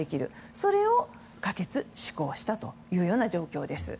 それを可決・施行したというような状況です。